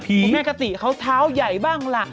พี่แมคคาติเขาเท้าใหญ่บ้างล่ะ